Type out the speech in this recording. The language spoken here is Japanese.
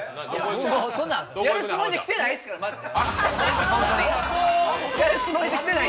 そんなやるつもりで来てないですから、マジで。